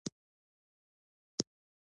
ګوتې لنډې دي.